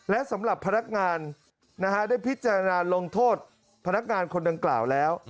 และสำหรับพนักงานได้พิจารณาลงโทษพนักงานคนดังกล่าวแล้ว